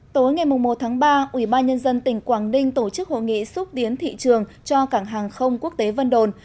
tối ngày một tháng ba ubnd tỉnh quảng ninh tổ chức hội nghị xúc tiến thị trường cho cảng hàng không quốc tế vân đồn